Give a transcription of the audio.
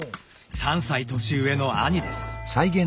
３歳年上の兄です。